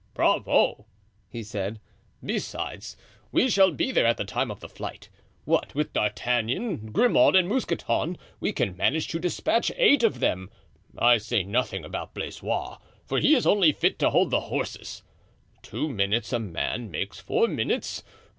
"Bravo!" he said; "besides, we shall be there at the time of the flight. What with D'Artagnan, Grimaud and Mousqueton, we can manage to dispatch eight of them. I say nothing about Blaisois, for he is only fit to hold the horses. Two minutes a man makes four minutes.